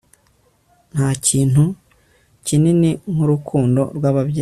Ntakintu kinini nkurukundo rwababyeyi